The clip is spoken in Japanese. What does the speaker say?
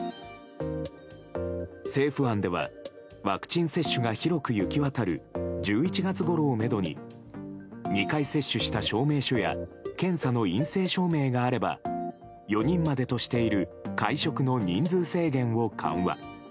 政府案ではワクチン接種が広く行き渡る１１月ごろをめどに２回接種した証明書や検査の陰性証明があれば４人までとしている会食の人数制限を緩和。